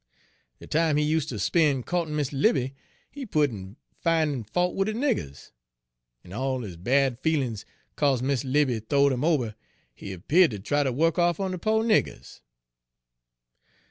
De time he useter spen' co'tin' Miss Libbie he put in findin' fault wid de niggers, en all his bad feelin's 'ca'se Miss Libbie th'owed 'im ober he'peared ter try ter wuk off on de po' niggers.